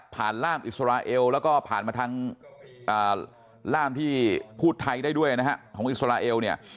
ล่ามอิสราเอลแล้วก็ผ่านมาทางล่ามที่พูดไทยได้ด้วยนะฮะของอิสราเอลเนี่ย